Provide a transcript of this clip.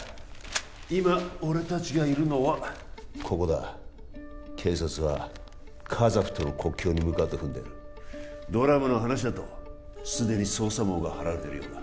今俺達がいるのはここだ警察はカザフとの国境に向かうと踏んでるドラムの話だとすでに捜査網が張られてるようだ